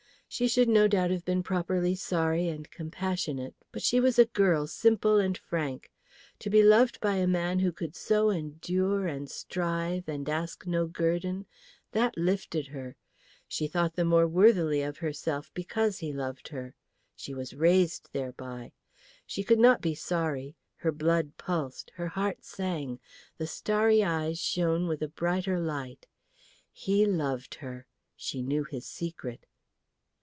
She should no doubt have been properly sorry and compassionate, but she was a girl simple and frank. To be loved by a man who could so endure and strive and ask no guerdon, that lifted her. She thought the more worthily of herself because he loved her. She was raised thereby. She could not be sorry; her blood pulsed, her heart sang, the starry eyes shone with a brighter light. He loved her. She knew his secret.